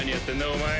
お前。